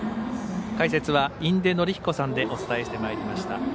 解説は、印出順彦さんでお伝えしてまいりました。